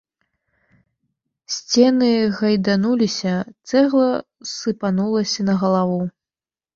Сцены гайдануліся, цэгла сыпанулася на галаву.